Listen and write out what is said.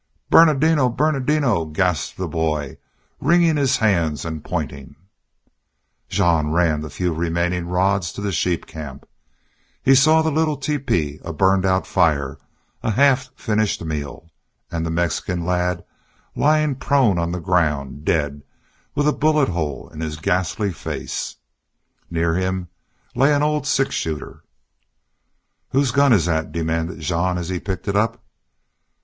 "Ber nardino! Ber nardino!" gasped the boy, wringing his hands and pointing. Jean ran the few remaining rods to the sheep camp. He saw the little teepee, a burned out fire, a half finished meal and then the Mexican lad lying prone on the ground, dead, with a bullet hole in his ghastly face. Near him lay an old six shooter. "Whose gun is that?" demanded Jean, as he picked it up.